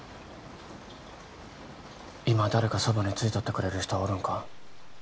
今誰かそばについとってくれる人はおるんか？